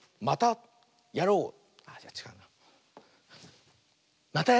「またやろう！」。